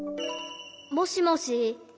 もしもし？